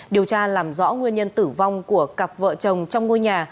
điều tra làm rõ nguyên nhân tử vong của cặp vợ chồng trong ngôi nhà